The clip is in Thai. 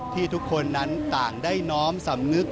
ทุกคนนั้นต่างได้น้อมสำนึก